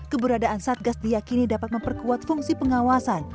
keberadaan satgas diakini dapat memperkuat fungsi pengawasan